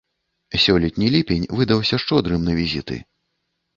Сёлетні ліпень выдаўся шчодрым на візіты.